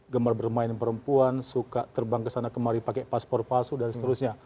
gemar bermain perempuan suka terbang ke sana kemari pakai paspor palsu dan seterusnya